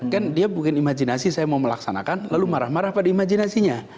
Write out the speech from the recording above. kan dia bikin imajinasi saya mau melaksanakan lalu marah marah pada imajinasinya